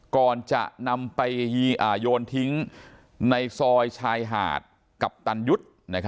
ก่อนจะนำไปโยนทิ้งในซอยชายหาดกัปตันยุทธ์